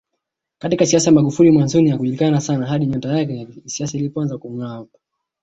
Katika siasa Magufuli mwanzoni hakujulikana sana hadi nyota yake ya isiasa ilipoanza kungaapa